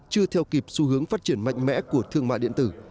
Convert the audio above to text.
chưa theo kịp xu hướng phát triển mạnh mẽ của thương mại điện tử